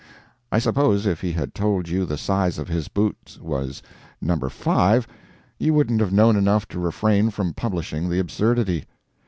I suppose if he had told you the size of his boots was No. 5, you wouldn't have known enough to refrain from publishing the absurdity.